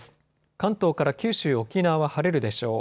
関東から九州、沖縄は晴れるでしょう。